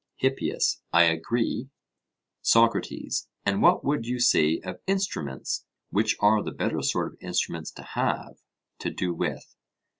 HIPPIAS: I agree. SOCRATES: And what would you say of instruments; which are the better sort of instruments to have to do with?